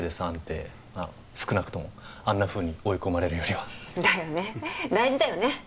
安定少なくともあんなふうに追い込まれるよりはだよね大事だよね